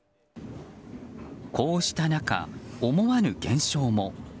こうした中、思わぬ現象も。